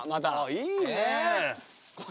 いいね。